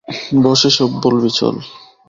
বসে সব বলবি চল।